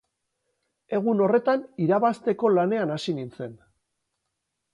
Egun horretan irabazteko lanean hasi nintzen.